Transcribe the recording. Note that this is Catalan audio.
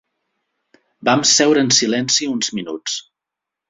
Vam seure en silenci uns minuts.